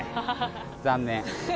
残念。